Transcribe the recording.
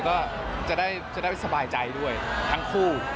ก็จะได้สบายใจด้วยทั้งคู่